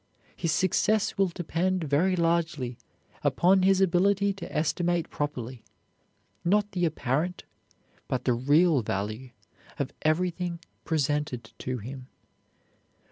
His success will depend very largely upon his ability to estimate properly, not the apparent but the real value of everything presented to him.